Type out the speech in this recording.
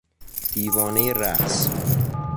دیوانهی رقص